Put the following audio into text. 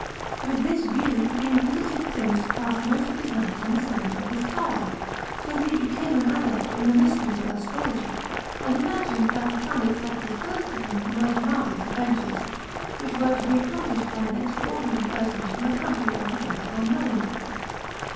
With this view the inquisitive prince passed most of his nights on the summit of his tower, till he became an adept in the mysteries of astrology, and imagined that the planets had disclosed to him the most marvellous adventures, which were to be accomplished by an extraordinary personage from a country altogether unknown.